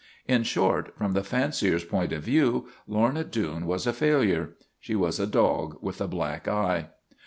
In short, from the fancier's point of view, Lorna Doone was a failure. She was a dog with a black eye.